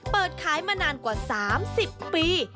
เปิดขายมานานกว่า๓๐ปี